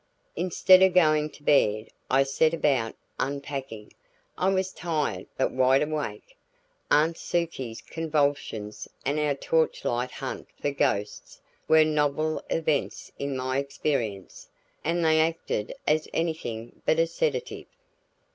Instead of going to bed I set about unpacking. I was tired but wide awake. Aunt Sukie's convulsions and our torch light hunt for ghosts were novel events in my experience, and they acted as anything but a sedative.